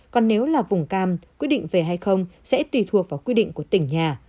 còn nếu là vùng cam quyết định về hay không sẽ tùy thuộc vào quy định của tỉnh nhà